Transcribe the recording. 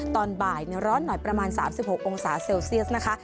ตอนบ่ายร้อนหน่อยประมาณ๓๖องศาเซลเซียสนะคะ